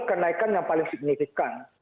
kenaikan yang paling signifikan